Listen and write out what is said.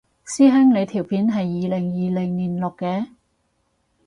師兄你條片係二零二零年錄嘅？